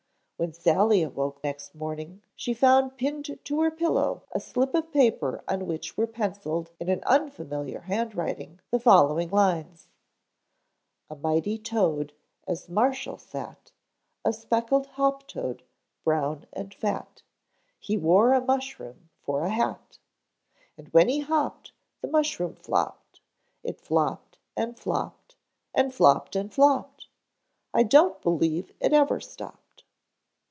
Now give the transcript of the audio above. When Sally awoke next morning she found pinned to her pillow a slip of paper on which were penciled in an unfamiliar handwriting the following lines: A mighty toad as marshal sat, A speckled hoptoad, brown and fat, He wore a mushroom for a hat. And when he hopped the mushroom flopped; It flopped, and flopped, and flopped and flopped; I don't believe it ever stopped.